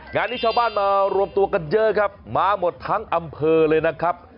งานนี้ชาวบ้านมารวมตัวกันเยอะครับมาหมดทั้งอำเภอเลยนะครับ